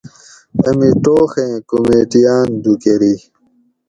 امی ٹوخیں کُمیٹیاۤن دُوکۤری